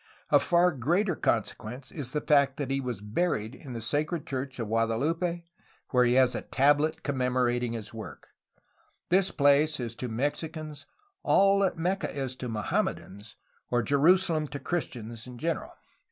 Of far greater consequence is the fact that he was buried in the sacred church of Gua COMMANDANCY GENERAL OF FRONTIER PROVINCES 329 dalupe, where he has a tablet commemorating his work. This place is to Mexicans all that Mecca is to Mohammedans, or Jerusalem to Christians in general.